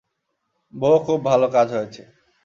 বোহ, খুব ভালো কাজ হয়েছে।